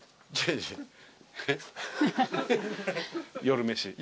夜飯。